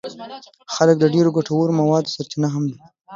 بلکه د ډېرو ګټورو موادو سرچینه هم ده.